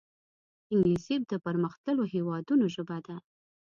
انګلیسي د پرمختللو هېوادونو ژبه ده